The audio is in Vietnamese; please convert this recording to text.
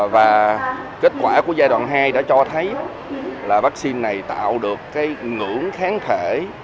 và kết quả của giai đoạn hai đã cho thấy là vaccine này tạo được cái ngưỡng kháng thể